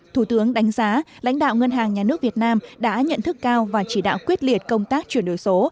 thủ tướng đánh giá lãnh đạo ngân hàng nhà nước việt nam đã nhận thức cao và chỉ đạo quyết liệt công tác chuyển đổi số